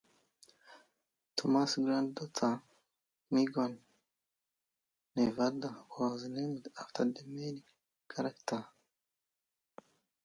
Thomas's goddaughter Mignon Nevada was named after the main character.